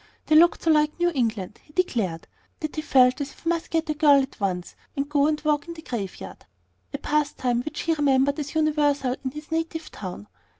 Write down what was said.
They looked so like New England, he declared, that he felt as if he must get a girl at once, and go and walk in the graveyard, a pastime which he remembered as universal in his native town.